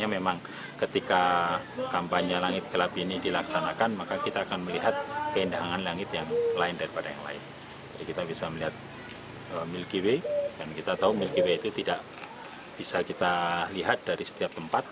jadi kita bisa melihat milky way dan kita tahu milky way itu tidak bisa kita lihat dari setiap tempat